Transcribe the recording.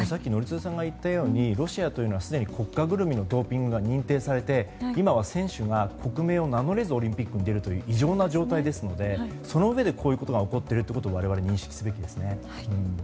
宜嗣さんが言ったようにロシアというのはすでに国家ぐるみのドーピングが認定されて今は選手が国名を名乗れずオリンピックに出るという異常な状態ですのでそのうえでこういったことが起きているのを我々は認識すべきですね。